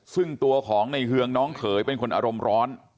ซึ่งตัวของในเฮืองน้องเขยเป็นคนอารมณ์ร้อน